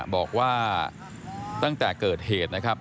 บอกว่าตั้งแต่เกิดเหตุนะครับ